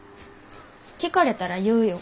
聞かれたら言うよ。